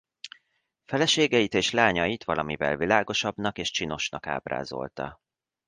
Feleségeit és lányait valamivel világosabbnak és csinosnak ábrázolta.